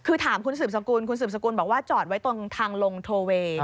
คือถามคุณสืบสกุลคุณสืบสกุลบอกว่าจอดไว้ตรงทางลงโทเวย์